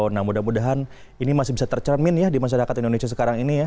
nah mudah mudahan ini masih bisa tercermin ya di masyarakat indonesia sekarang ini ya